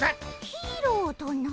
ヒーローとな？